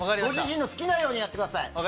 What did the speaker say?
ご自身の好きなようにやってください。